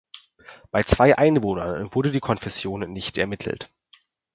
Bei zwei Einwohnern wurde die Konfession nicht ermittelt.